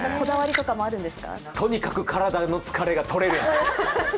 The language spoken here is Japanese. とにかく体の疲れがとれるやつ。